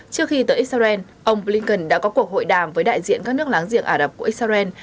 trước khi tới israel ông blinken đã có cuộc hội đàm với đại diện các nước láng giềng ả rập của israel